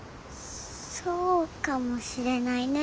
そうかもしれないね。